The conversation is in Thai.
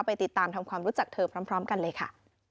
ไปติดตามทำความรู้จักเธอพร้อมกันเลยค่ะ